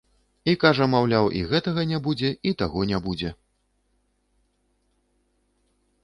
І кажа, маўляў, і гэтага не будзе, і таго не будзе.